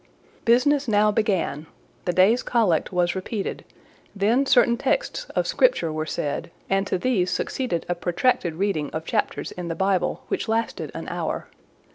Business now began: the day's Collect was repeated, then certain texts of Scripture were said, and to these succeeded a protracted reading of chapters in the Bible, which lasted an hour.